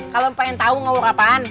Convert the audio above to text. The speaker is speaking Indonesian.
kalau mau tau ngawur apaan